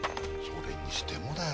それにしてもだよ